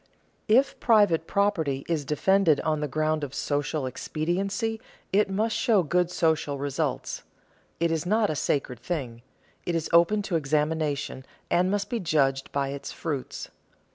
_ If private property is defended on the ground of social expediency, it must show good social results. It is not a sacred thing; it is open to examination, and must be judged by its fruits.